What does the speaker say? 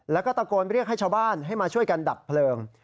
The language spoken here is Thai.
แล้วก็ตะโกนเรียกให้ชาวบ้านให้มาช่วยกันดับเพลิง